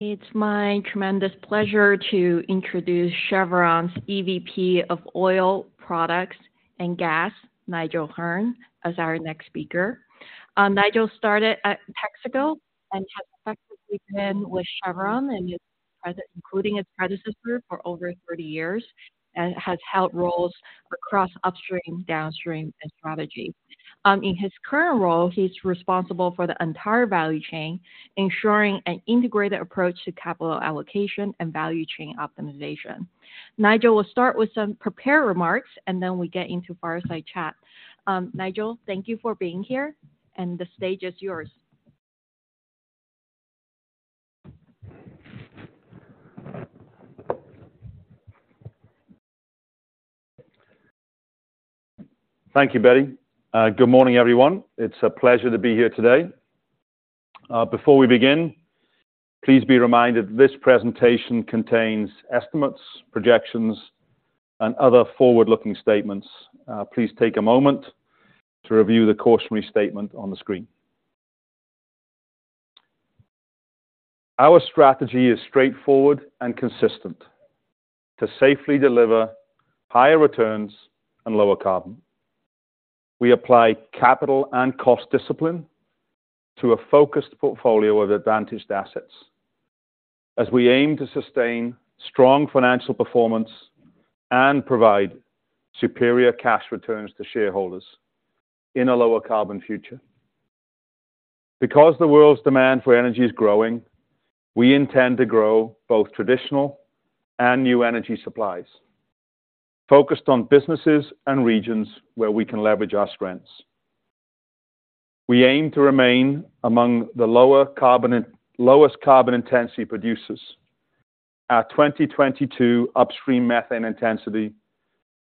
It's my tremendous pleasure to introduce Chevron's EVP of Oil Products and Gas, Nigel Hearne, as our next speaker. Nigel started at Texaco and has effectively been with Chevron, and including its predecessor, for over 30 years, and has held roles across upstream, downstream, and strategy. In his current role, he's responsible for the entire value chain, ensuring an integrated approach to capital allocation and value chain optimization. Nigel will start with some prepared remarks, and then we get into fireside chat. Nigel, thank you for being here, and the stage is yours. Thank you, Betty. Good morning, everyone. It's a pleasure to be here today. Before we begin, please be reminded this presentation contains estimates, projections, and other forward-looking statements. Please take a moment to review the cautionary statement on the screen. Our strategy is straightforward and consistent: to safely deliver higher returns and lower carbon. We apply capital and cost discipline to a focused portfolio of advantaged assets as we aim to sustain strong financial performance and provide superior cash returns to shareholders in a lower carbon future. Because the world's demand for energy is growing, we intend to grow both traditional and new energy supplies, focused on businesses and regions where we can leverage our strengths. We aim to remain among the lowest carbon intensity producers. Our 2022 upstream methane intensity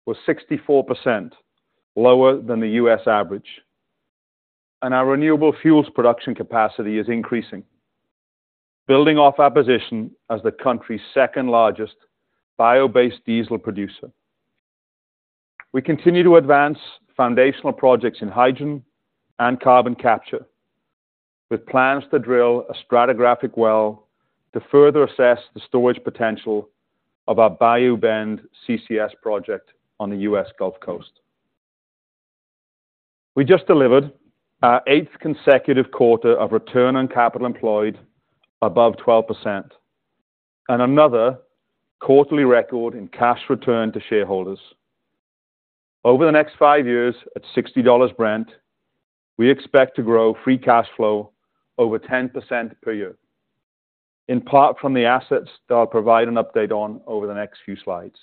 was 64% lower than the U.S. average, and our renewable fuels production capacity is increasing, building off our position as the country's second-largest bio-based diesel producer. We continue to advance foundational projects in hydrogen and carbon capture, with plans to drill a stratigraphic well to further assess the storage potential of our Bayou Bend CCS project on the U.S. Gulf Coast. We just delivered our eighth consecutive quarter of return on capital employed above 12% and another quarterly record in cash return to shareholders. Over the next 5 years, at $60 Brent, we expect to grow free cash flow over 10% per year, in part from the assets that I'll provide an update on over the next few slides.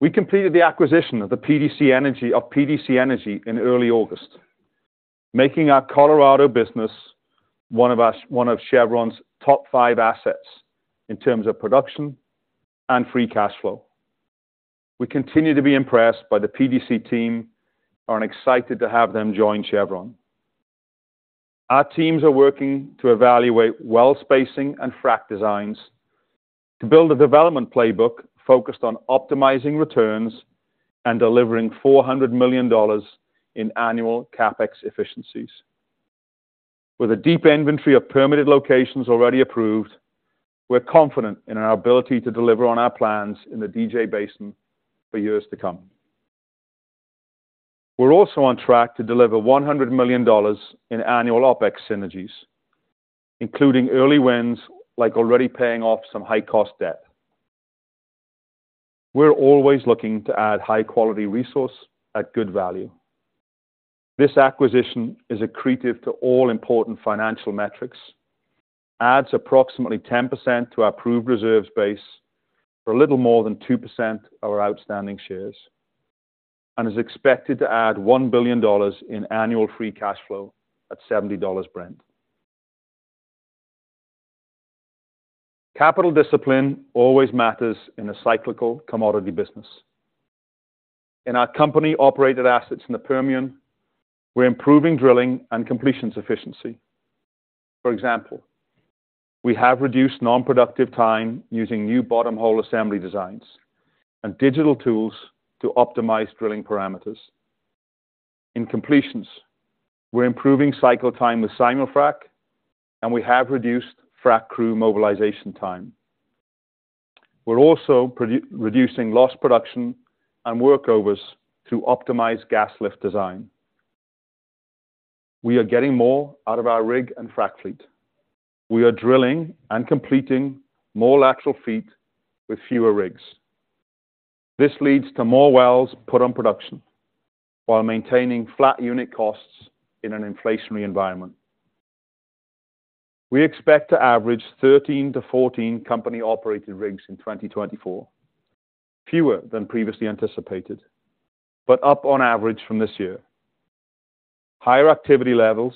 We completed the acquisition of the PDC Energy, of PDC Energy in early August, making our Colorado business one of our, one of Chevron's top five assets in terms of production and free cash flow. We continue to be impressed by the PDC team and are excited to have them join Chevron. Our teams are working to evaluate well spacing and frac designs to build a development playbook focused on optimizing returns and delivering $400 million in annual CapEx efficiencies. With a deep inventory of permitted locations already approved, we're confident in our ability to deliver on our plans in the DJ Basin for years to come. We're also on track to deliver $100 million in annual OpEx synergies, including early wins, like already paying off some high-cost debt. We're always looking to add high-quality resource at good value. This acquisition is accretive to all important financial metrics, adds approximately 10% to our approved reserves base for a little more than 2% of our outstanding shares, and is expected to add $1 billion in annual free cash flow at $70 Brent. Capital discipline always matters in a cyclical commodity business. In our company-operated assets in the Permian, we're improving drilling and completions efficiency. For example, we have reduced non-productive time using new bottom hole assembly designs and digital tools to optimize drilling parameters. In completions, we're improving cycle time with simul-frac, and we have reduced frac crew mobilization time. We're also reducing lost production and workovers through optimized gas lift design. We are getting more out of our rig and frac fleet. We are drilling and completing more lateral feet with fewer rigs. This leads to more wells put on production while maintaining flat unit costs in an inflationary environment. We expect to average 13-14 company-operated rigs in 2024, fewer than previously anticipated, but up on average from this year. Higher activity levels,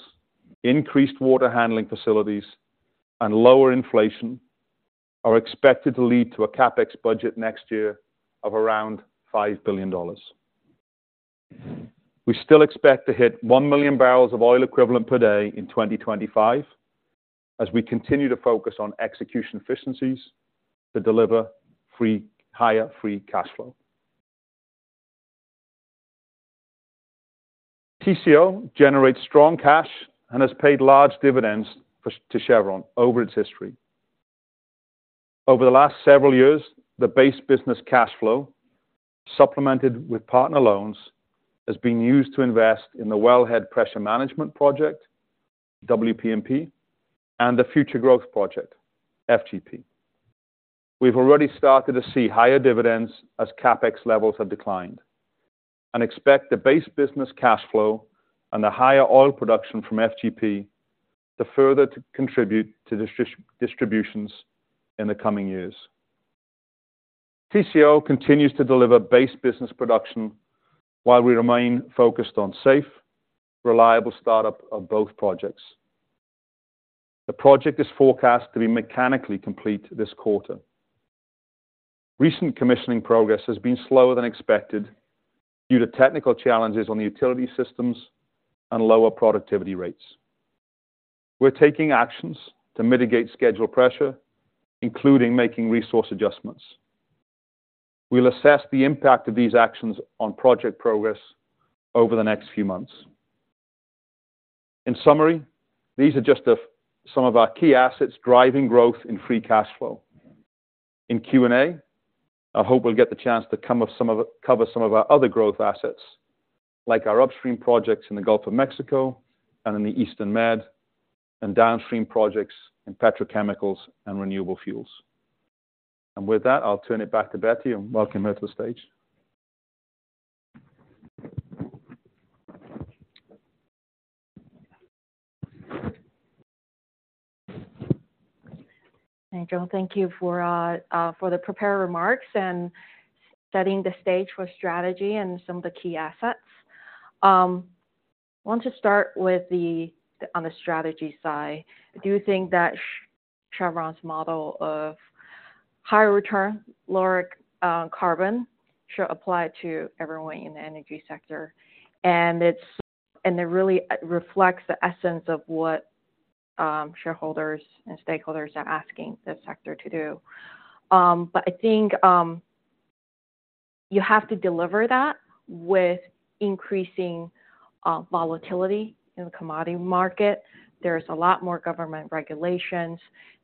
increased water handling facilities, and lower inflation are expected to lead to a CapEx budget next year of around $5 billion. We still expect to hit 1 million barrels of oil equivalent per day in 2025 as we continue to focus on execution efficiencies to deliver higher free cash flow. TCO generates strong cash and has paid large dividends to Chevron over its history. Over the last several years, the base business cash flow, supplemented with partner loans, has been used to invest in the Wellhead Pressure Management Project, WPMP, and the Future Growth Project, FGP. We've already started to see higher dividends as CapEx levels have declined and expect the base business cash flow and the higher oil production from FGP to further contribute to distributions in the coming years. TCO continues to deliver base business production while we remain focused on safe, reliable startup of both projects. The project is forecast to be mechanically complete this quarter. Recent commissioning progress has been slower than expected due to technical challenges on the utility systems and lower productivity rates. We're taking actions to mitigate schedule pressure, including making resource adjustments. We'll assess the impact of these actions on project progress over the next few months. In summary, these are just some of our key assets driving growth in free cash flow. In Q&A, I hope we'll get the chance to cover some of our other growth assets, like our upstream projects in the Gulf of Mexico and in the Eastern Med, and downstream projects in petrochemicals and renewable fuels. With that, I'll turn it back to Betty, and welcome her to the stage. Thank you for the prepared remarks and setting the stage for strategy and some of the key assets. I want to start with, on the strategy side. Do you think that Chevron's model of higher return, lower carbon, should apply to everyone in the energy sector? And it really reflects the essence of what shareholders and stakeholders are asking the sector to do. But I think you have to deliver that with increasing volatility in the commodity market. There's a lot more government regulations.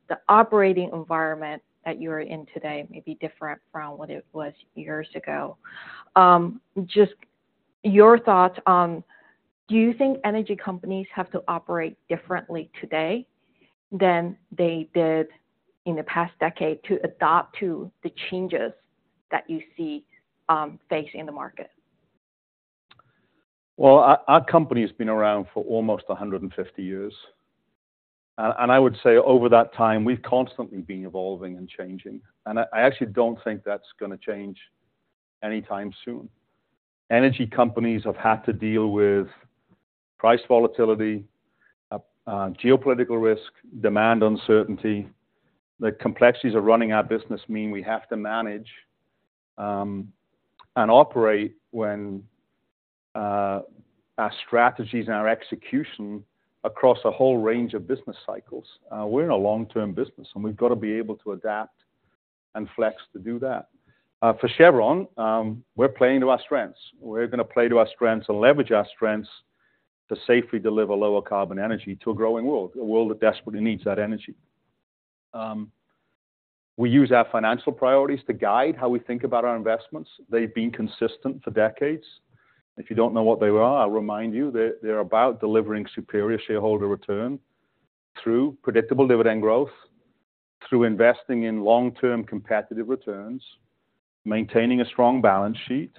The operating environment that you are in today may be different from what it was years ago. Just your thoughts on, do you think energy companies have to operate differently today than they did in the past decade to adapt to the changes that you see facing the market? Well, our company has been around for almost 150 years, and I would say over that time, we've constantly been evolving and changing, and I actually don't think that's gonna change anytime soon. Energy companies have had to deal with price volatility, geopolitical risk, demand uncertainty. The complexities of running our business mean we have to manage and operate our strategies and our execution across a whole range of business cycles. We're in a long-term business, and we've got to be able to adapt and flex to do that. For Chevron, we're playing to our strengths. We're gonna play to our strengths and leverage our strengths to safely deliver lower carbon energy to a growing world, a world that desperately needs that energy. We use our financial priorities to guide how we think about our investments. They've been consistent for decades. If you don't know what they are, I'll remind you that they're about delivering superior shareholder return through predictable dividend growth, through investing in long-term competitive returns, maintaining a strong balance sheet,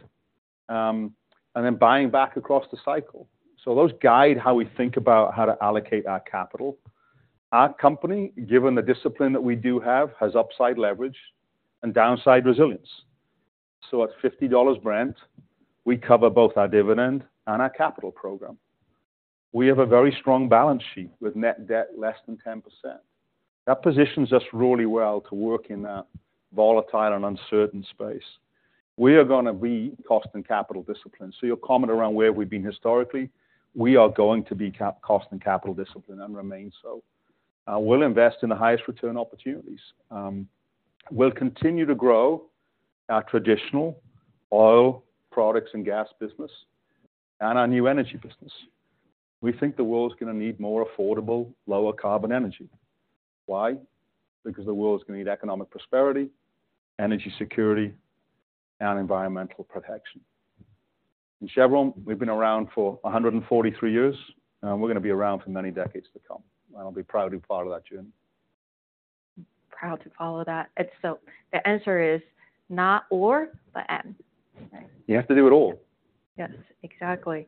and then buying back across the cycle. So those guide how we think about how to allocate our capital. Our company, given the discipline that we do have, has upside leverage and downside resilience. So at $50 Brent, we cover both our dividend and our capital program. We have a very strong balance sheet with net debt less than 10%. That positions us really well to work in a volatile and uncertain space. We are gonna be cost and capital discipline. So, your comment around where we've been historically, we are going to be cap cost and capital discipline and remain so. We'll invest in the highest return opportunities. We'll continue to grow our traditional oil products and gas business and our new energy business. We think the world is gonna need more affordable, lower carbon energy. Why? Because the world is gonna need economic prosperity, energy security, and environmental protection. In Chevron, we've been around for 143 years, and we're gonna be around for many decades to come, and I'll be proudly part of that journey. Proud to follow that. It's so... The answer is not or, but and. You have to do it all. Yes, exactly.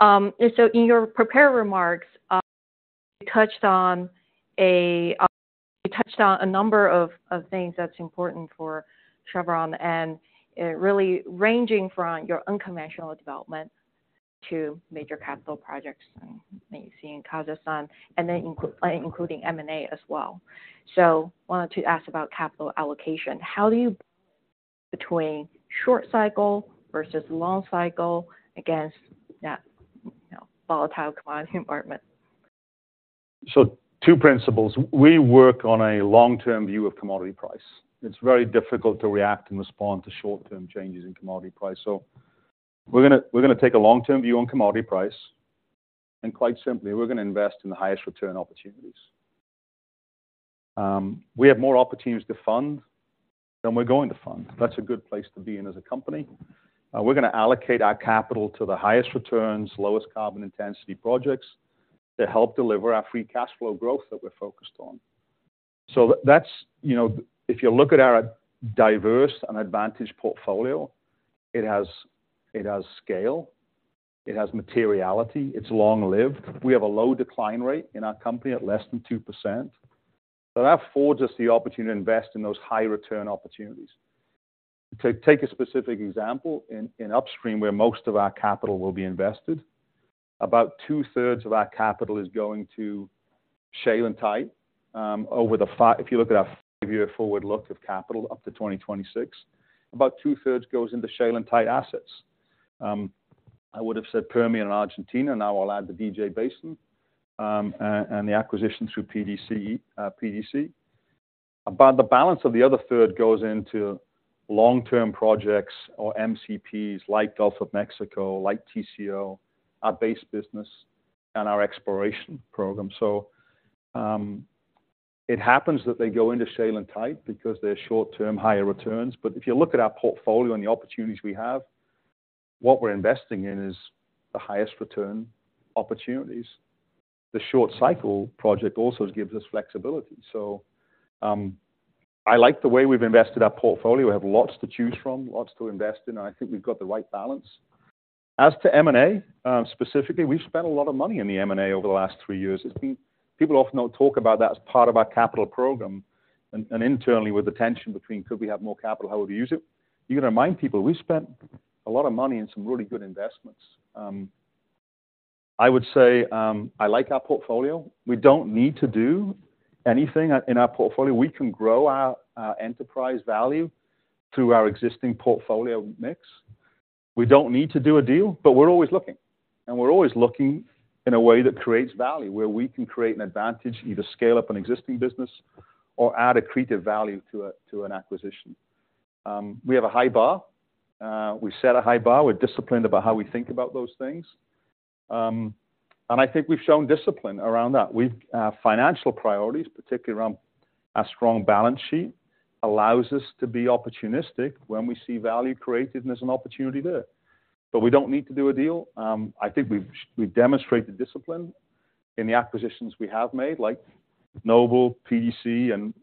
And so in your prepared remarks, you touched on a number of things that's important for Chevron, and really ranging from your unconventional development to major capital projects and that you see in Kazakhstan, and then including M&A as well. So I wanted to ask about capital allocation. How do you between short cycle versus long cycle against that, you know, volatile commodity environment?... So two principles, we work on a long-term view of commodity price. It's very difficult to react and respond to short-term changes in commodity price. So we're gonna, we're gonna take a long-term view on commodity price, and quite simply, we're gonna invest in the highest return opportunities. We have more opportunities to fund than we're going to fund. That's a good place to be in as a company. We're gonna allocate our capital to the highest returns, lowest carbon intensity projects, to help deliver our free cash flow growth that we're focused on. So that's, you know, if you look at our diverse and advantage portfolio, it has, it has scale, it has materiality, it's long-lived. We have a low decline rate in our company at less than 2%, so that affords us the opportunity to invest in those high return opportunities. To take a specific example, in upstream, where most of our capital will be invested, about two-thirds of our capital is going to shale and tight. If you look at our five-year forward look of capital up to 2026, about two-thirds goes into shale and tight assets. I would have said Permian and Argentina, now I'll add the DJ Basin, and the acquisition through PDC, PDC. About the balance of the other third goes into long-term projects or MCPs like Gulf of Mexico, like TCO, our base business and our exploration program. So, it happens that they go into shale and tight because they're short-term, higher returns. But if you look at our portfolio and the opportunities we have, what we're investing in is the highest return opportunities. The short cycle project also gives us flexibility. So, I like the way we've invested our portfolio. We have lots to choose from, lots to invest in, and I think we've got the right balance. As to M&A, specifically, we've spent a lot of money in the M&A over the last three years. It's been people often don't talk about that as part of our capital program and, and internally with the tension between, could we have more capital? How would we use it? You've got to remind people we spent a lot of money in some really good investments. I would say, I like our portfolio. We don't need to do anything in our portfolio. We can grow our, our enterprise value through our existing portfolio mix. We don't need to do a deal, but we're always looking, and we're always looking in a way that creates value, where we can create an advantage, either scale up an existing business or add accretive value to an acquisition. We have a high bar. We set a high bar. We're disciplined about how we think about those things. And I think we've shown discipline around that. We've financial priorities, particularly around our strong balance sheet, allows us to be opportunistic when we see value created, and there's an opportunity there. But we don't need to do a deal. I think we've demonstrated discipline in the acquisitions we have made, like Noble, PDC, and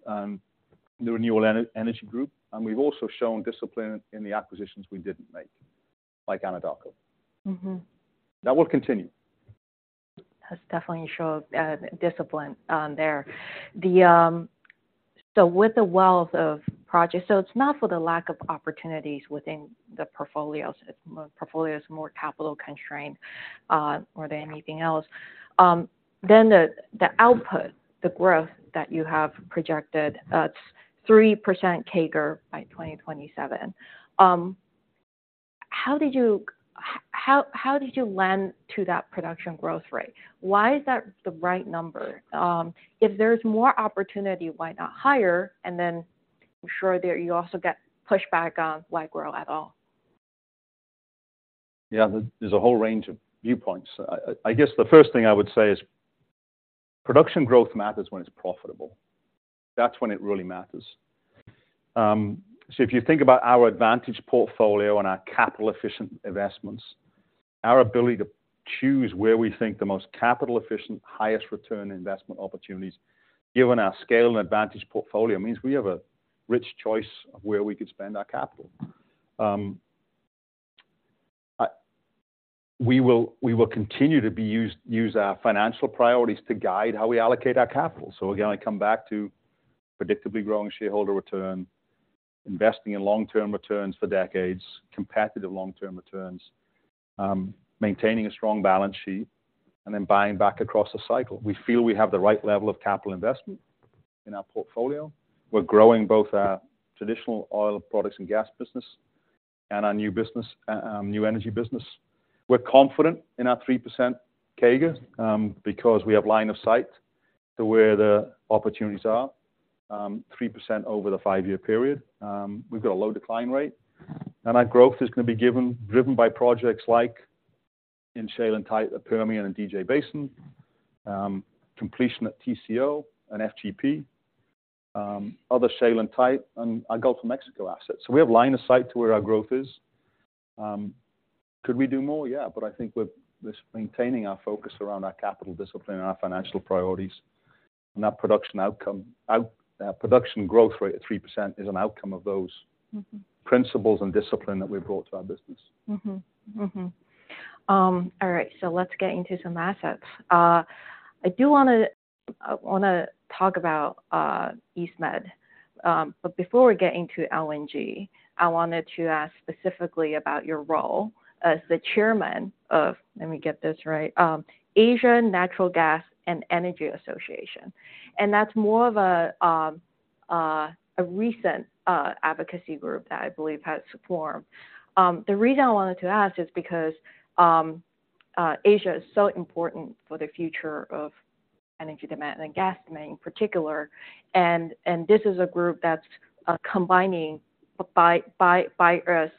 the Renewable Energy Group, and we've also shown discipline in the acquisitions we didn't make, like Anadarko. Mm-hmm. That will continue. Has definitely showed discipline there. So with the wealth of projects, so it's not for the lack of opportunities within the portfolios. Portfolios are more capital-constrained, more than anything else. Then the output, the growth that you have projected, that's 3% CAGR by 2027. How did you lend to that production growth rate? Why is that the right number? If there's more opportunity, why not higher? And then I'm sure that you also get pushback on why grow at all. Yeah, there's a whole range of viewpoints. I guess the first thing I would say is production growth matters when it's profitable. That's when it really matters. So if you think about our advantage portfolio and our capital-efficient investments, our ability to choose where we think the most capital efficient, highest return investment opportunities, given our scale and advantage portfolio, means we have a rich choice of where we could spend our capital. We will continue to use our financial priorities to guide how we allocate our capital. So again, I come back to predictably growing shareholder return, investing in long-term returns for decades, competitive long-term returns, maintaining a strong balance sheet, and then buying back across the cycle. We feel we have the right level of capital investment in our portfolio. We're growing both our traditional oil products and gas business and our new business, new energy business. We're confident in our 3% CAGR, because we have line of sight to where the opportunities are, 3% over the five-year period. We've got a low decline rate, and our growth is gonna be driven by projects like in shale and tight, the Permian and DJ Basin, completion at TCO and FGP, other shale and tight and our Gulf of Mexico assets. So we have line of sight to where our growth is. Could we do more? Yeah, but I think with this maintaining our focus around our capital discipline and our financial priorities, and our production outcome, production growth rate at 3% is an outcome of those- Mm-hmm. Principles and discipline that we've brought to our business. Mm-hmm. Mm-hmm. All right, so let's get into some assets. I do wanna talk about East Med. But before we get into LNG, I wanted to ask specifically about your role as the chairman of... Let me get this right, Asia Natural Gas and Energy Association. And that's more of a recent advocacy group that I believe has formed. The reason I wanted to ask is because Asia is so important for the future of energy demand and gas demand in particular, and this is a group that's combining suppliers,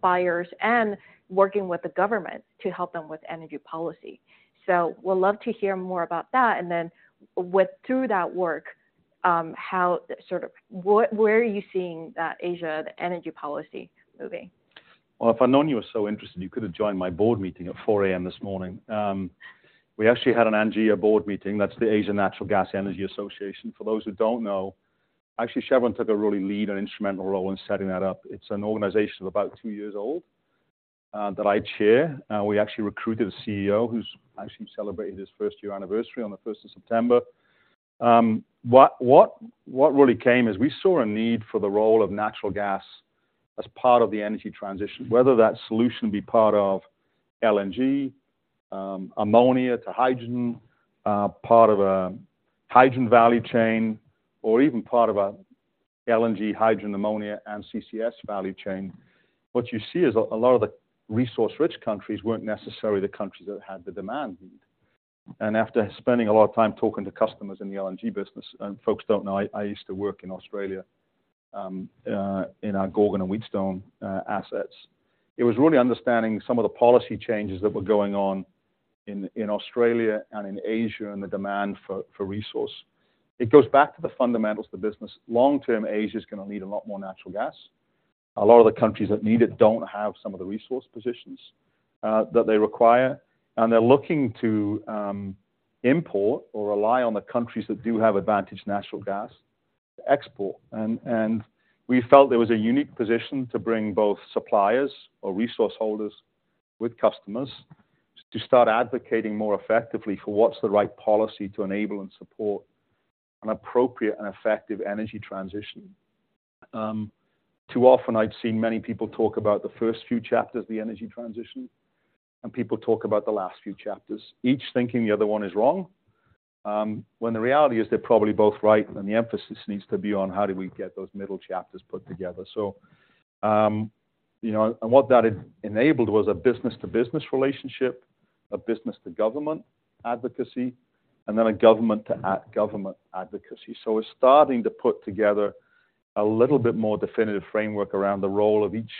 buyers, and working with the government to help them with energy policy. So would love to hear more about that, and then through that work, how sort of what, where are you seeing that Asia, the energy policy moving? Well, if I'd known you were so interested, you could have joined my board meeting at 4 A.M. this morning. We actually had an ANGEA board meeting. That's the Asia Natural Gas and Energy Association. For those who don't know, actually, Chevron took a really lead and instrumental role in setting that up. It's an organization of about two years old, that I chair. We actually recruited a CEO who's actually celebrating his first-year anniversary on the first of September. What really came is we saw a need for the role of natural gas as part of the energy transition, whether that solution be part of LNG, ammonia to hydrogen, part of a hydrogen value chain, or even part of a LNG, hydrogen, ammonia, and CCS value chain. What you see is a lot of the resource-rich countries weren't necessarily the countries that had the demand need. After spending a lot of time talking to customers in the LNG business, and folks don't know, I used to work in Australia in our Gorgon and Wheatstone assets. It was really understanding some of the policy changes that were going on in Australia and in Asia, and the demand for resource. It goes back to the fundamentals of the business. Long-term, Asia is gonna need a lot more natural gas. A lot of the countries that need it don't have some of the resource positions that they require, and they're looking to import or rely on the countries that do have advantage natural gas to export. We felt there was a unique position to bring both suppliers or resource holders with customers to start advocating more effectively for what's the right policy to enable and support an appropriate and effective energy transition. Too often, I've seen many people talk about the first few chapters of the energy transition, and people talk about the last few chapters, each thinking the other one is wrong, when the reality is they're probably both right, and the emphasis needs to be on how do we get those middle chapters put together. You know, what that enabled was a business-to-business relationship, a business-to-government advocacy, and then a government-to-a-government advocacy. It's starting to put together a little bit more definitive framework around the role of each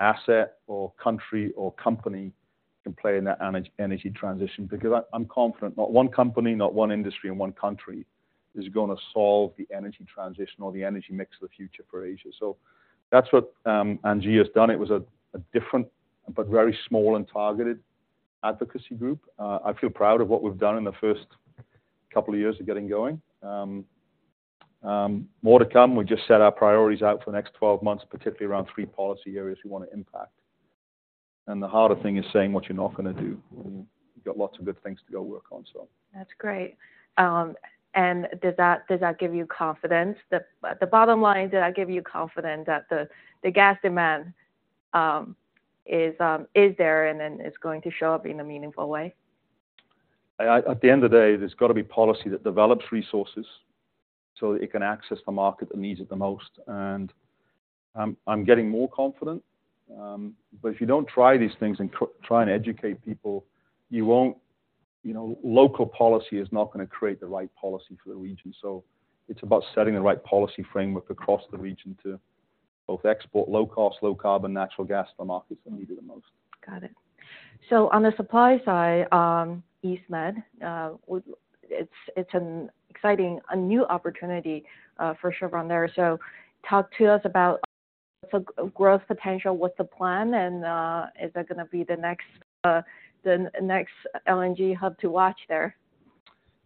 asset or country or company can play in that energy transition. Because I'm confident not one company, not one industry, and one country is gonna solve the energy transition or the energy mix of the future for Asia. So that's what ANGEA has done. It was a different but very small and targeted advocacy group. I feel proud of what we've done in the first couple of years of getting going. More to come. We just set our priorities out for the next 12 months, particularly around 3 policy areas we wanna impact. And the harder thing is saying what you're not gonna do. We've got lots of good things to go work on, so. That's great. And does that, does that give you confidence that—the bottom line, did that give you confidence that the, the gas demand, is, is there and then is going to show up in a meaningful way? I, at the end of the day, there's got to be policy that develops resources, so it can access the market that needs it the most. And, I'm getting more confident, but if you don't try these things and try and educate people, you won't... You know, local policy is not gonna create the right policy for the region. So it's about setting the right policy framework across the region to both export low cost, low carbon natural gas to the markets that need it the most. Got it. So on the supply side, East Med, it's an exciting new opportunity for Chevron there. So talk to us about the growth potential, what's the plan, and is that gonna be the next LNG hub to watch there?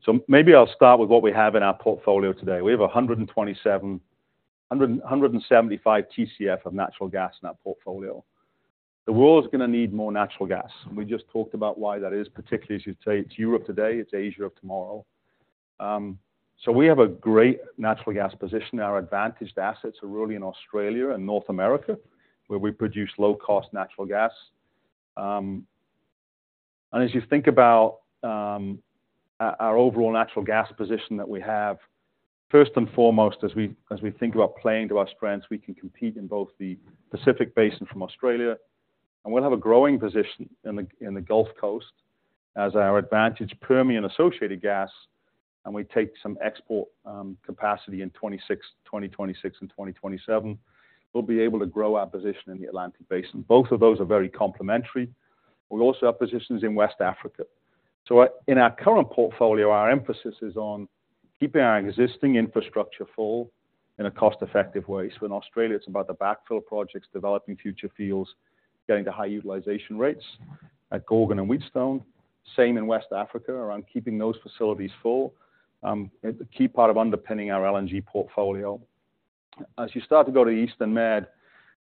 So maybe I'll start with what we have in our portfolio today. We have 127, 175 TCF of natural gas in our portfolio. The world is gonna need more natural gas. We just talked about why that is, particularly as you say, it's Europe today, it's Asia of tomorrow. So we have a great natural gas position. Our advantaged assets are really in Australia and North America, where we produce low-cost natural gas. And as you think about our overall natural gas position that we have, first and foremost, as we think about playing to our strengths, we can compete in both the Pacific Basin from Australia, and we'll have a growing position in the Gulf Coast as our advantaged Permian associated gas, and we take some export capacity in 2026 and 2027. We'll be able to grow our position in the Atlantic Basin. Both of those are very complementary. We also have positions in West Africa. So in our current portfolio, our emphasis is on keeping our existing infrastructure full in a cost-effective way. So in Australia, it's about the backfill projects, developing future fields, getting to high utilization rates at Gorgon and Wheatstone. Same in West Africa, around keeping those facilities full, a key part of underpinning our LNG portfolio. As you start to go to Eastern Med,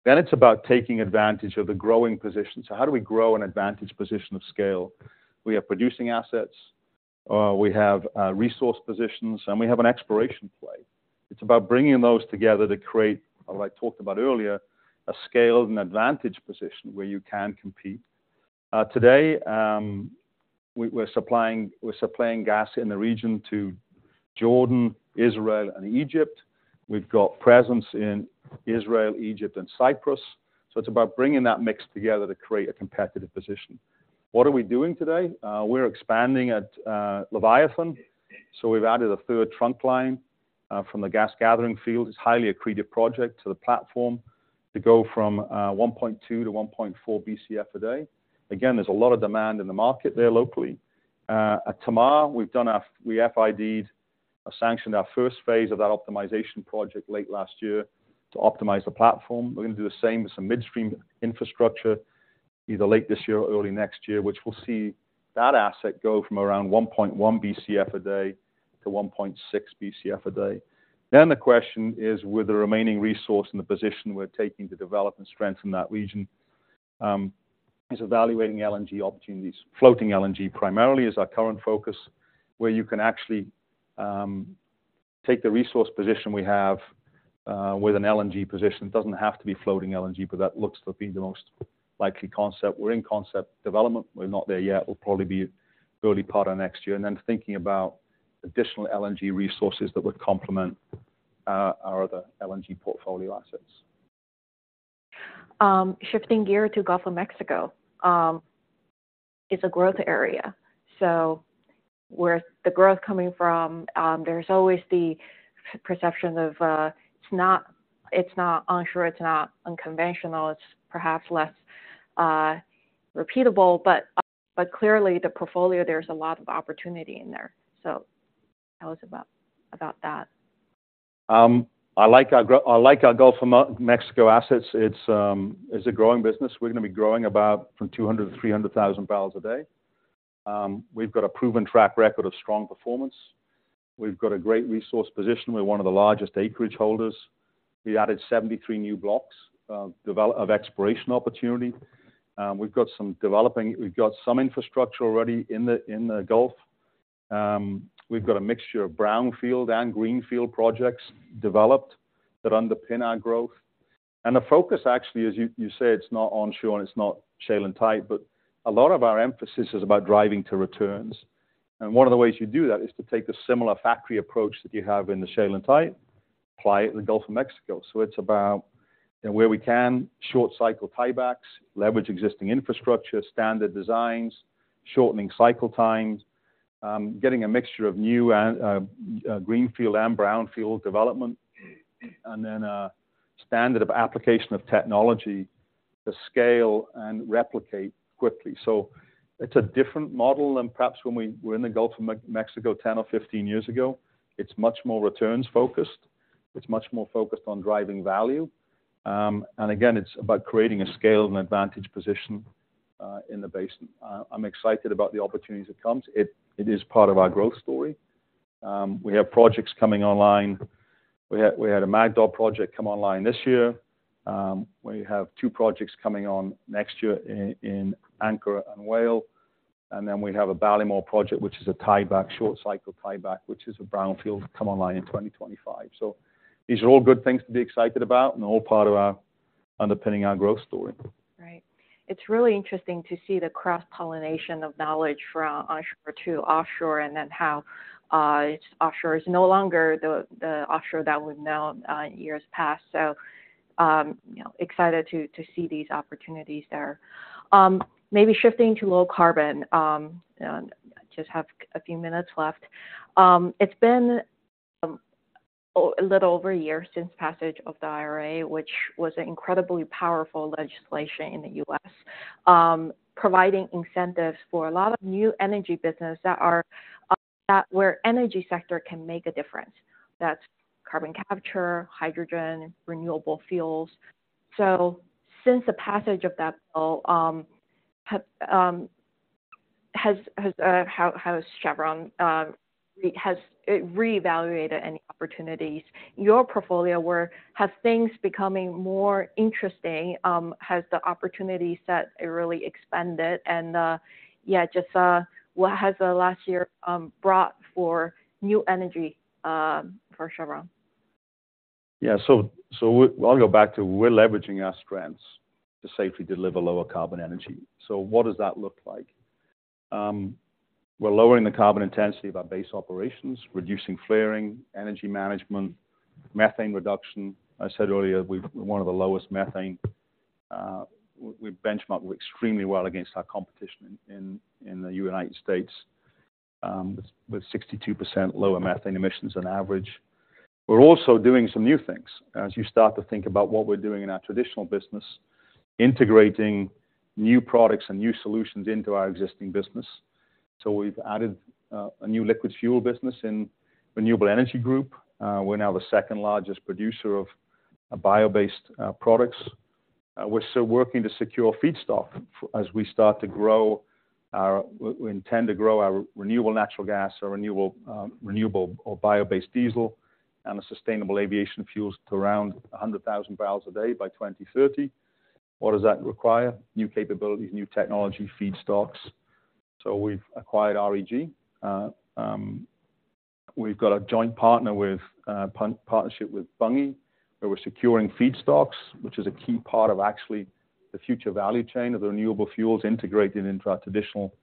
then it's about taking advantage of the growing position. So how do we grow an advantage position of scale? We have producing assets, we have resource positions, and we have an exploration play. It's about bringing those together to create, like I talked about earlier, a scaled and advantaged position where you can compete. Today, we, we're supplying, we're supplying gas in the region to Jordan, Israel, and Egypt. We've got presence in Israel, Egypt, and Cyprus. So it's about bringing that mix together to create a competitive position. What are we doing today? We're expanding at Leviathan, so we've added a third trunk line from the gas gathering field. It's a highly accretive project to the platform to go from 1.2 to 1.4 BCF a day. Again, there's a lot of demand in the market there locally. At Tamar, we've done our- we FID'd, sanctioned our first phase of that optimization project late last year to optimize the platform. We're gonna do the same with some midstream infrastructure, either late this year or early next year, which will see that asset go from around 1.1 BCF a day to 1.6 BCF a day. Then the question is, with the remaining resource in the position we're taking to develop and strengthen that region, is evaluating LNG opportunities. Floating LNG, primarily, is our current focus, where you can actually take the resource position we have, with an LNG position. It doesn't have to be floating LNG, but that looks to be the most likely concept. We're in concept development. We're not there yet. We'll probably be early part of next year, and then thinking about additional LNG resources that would complement our other LNG portfolio assets. Shifting gear to Gulf of Mexico, it's a growth area. So where is the growth coming from? There's always the perception of, it's not, it's not onshore, it's not unconventional, it's perhaps less, repeatable, but, but clearly the portfolio, there's a lot of opportunity in there. So tell us about, about that. I like our Gulf of Mexico assets. It's a growing business. We're gonna be growing about from 200 to 300 thousand barrels a day. We've got a proven track record of strong performance. We've got a great resource position. We're one of the largest acreage holders. We added 73 new blocks of exploration opportunity. We've got some infrastructure already in the Gulf. We've got a mixture of brownfield and greenfield projects developed that underpin our growth. And the focus, actually, as you say, it's not onshore and it's not shale and tight, but a lot of our emphasis is about driving to returns. One of the ways you do that is to take the similar factory approach that you have in the shale and tight, apply it in the Gulf of Mexico. So it's about, you know, where we can, short-cycle tiebacks, leverage existing infrastructure, standard designs, shortening cycle times, getting a mixture of new and greenfield and brownfield development, and then a standard of application of technology to scale and replicate quickly. So it's a different model than perhaps when we were in the Gulf of Mexico 10 or 15 years ago. It's much more returns-focused. It's much more focused on driving value. And again, it's about creating a scale and advantage position, in the basin. I'm excited about the opportunities that comes. It is part of our growth story. We have projects coming online. We had a Mad Dog project come online this year. We have two projects coming on next year in Anchor and Whale. And then we have a Ballymore project, which is a tieback, short-cycle tieback, which is a brownfield, come online in 2025. So these are all good things to be excited about and all part of our underpinning our growth story. Right. It's really interesting to see the cross-pollination of knowledge from onshore to offshore, and then how it's offshore is no longer the offshore that we've known in years past. So, you know, excited to see these opportunities there. Maybe shifting to low carbon, and just have a few minutes left. It's been a little over a year since passage of the IRA, which was an incredibly powerful legislation in the U.S., providing incentives for a lot of new energy business that are that where energy sector can make a difference. That's carbon capture, hydrogen, renewable fuels. So since the passage of that bill, how has Chevron reevaluated any opportunities? Your portfolio where have things becoming more interesting? Has the opportunity set really expanded? Yeah, just, what has the last year brought for new energy for Chevron? Yeah. So I'll go back to we're leveraging our strengths to safely deliver lower carbon energy. So what does that look like? We're lowering the carbon intensity of our base operations, reducing flaring, energy management, methane reduction. I said earlier, we've one of the lowest methane. We benchmark extremely well against our competition in the United States, with 62% lower methane emissions on average. We're also doing some new things. As you start to think about what we're doing in our traditional business, integrating new products and new solutions into our existing business. So we've added a new liquid fuel business in Renewable Energy Group. We're now the second largest producer of bio-based products. We're still working to secure feedstock as we start to grow our, we intend to grow our renewable natural gas or renewable, renewable or bio-based diesel, and the sustainable aviation fuels to around 100,000 barrels a day by 2030. What does that require? New capabilities, new technology, feedstocks. So we've acquired REG. We've got a joint partner with, partnership with Bunge, where we're securing feedstocks, which is a key part of actually the future value chain of the renewable fuels integrated into our traditional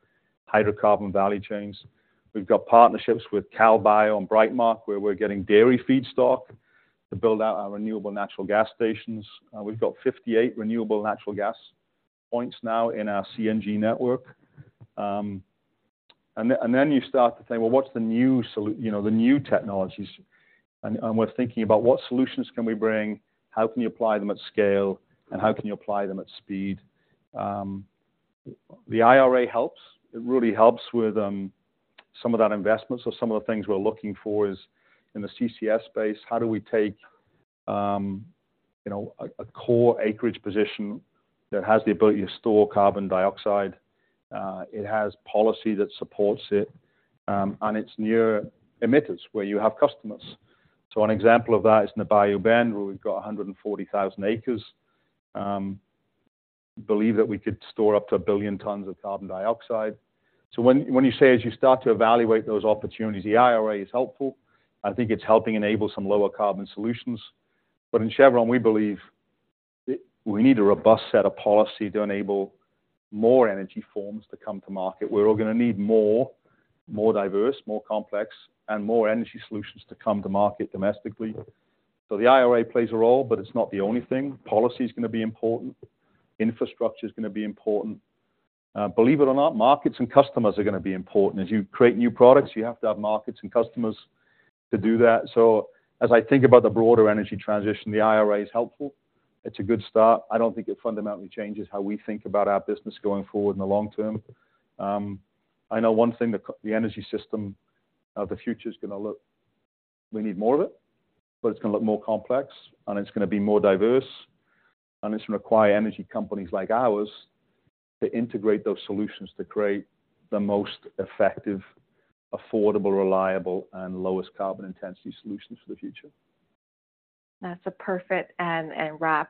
hydrocarbon value chains. We've got partnerships with CalBio and Brightmark, where we're getting dairy feedstock to build out our renewable natural gas stations. We've got 58 renewable natural gas points now in our CNG network. And then you start to think, well, what's the new solution, you know, the new technologies? We're thinking about what solutions can we bring? How can you apply them at scale, and how can you apply them at speed? The IRA helps. It really helps with some of that investment. So some of the things we're looking for is in the CCS space, how do we take, you know, a core acreage position that has the ability to store carbon dioxide? It has policy that supports it, and it's near emitters where you have customers. So an example of that is in the Bayou Bend, where we've got 140,000 acres. Believe that we could store up to 1 billion tons of carbon dioxide. So when you say, as you start to evaluate those opportunities, the IRA is helpful. I think it's helping enable some lower carbon solutions. But in Chevron, we believe we need a robust set of policy to enable more energy forms to come to market. We're all gonna need more, more diverse, more complex, and more energy solutions to come to market domestically. So the IRA plays a role, but it's not the only thing. Policy is gonna be important. Infrastructure is gonna be important. Believe it or not, markets and customers are gonna be important. As you create new products, you have to have markets and customers to do that. So as I think about the broader energy transition, the IRA is helpful. It's a good start. I don't think it fundamentally changes how we think about our business going forward in the long term. I know one thing, the energy system of the future is gonna look... We need more of it, but it's gonna look more complex, and it's gonna be more diverse, and it's gonna require energy companies like ours to integrate those solutions to create the most effective, affordable, reliable, and lowest carbon intensity solutions for the future. That's a perfect end and wrap.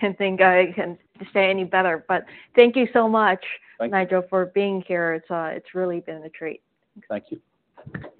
Can't think I can say any better, but thank you so much. Thank you. -Nigel, for being here. It's really been a treat. Thank you.